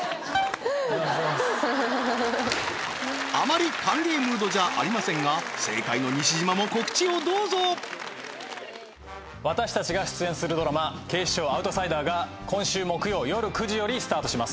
あまり歓迎ムードじゃありませんが正解の西島も告知をどうぞ私たちが出演するドラマ警視庁アウトサイ今週木曜よる９時よりスタートします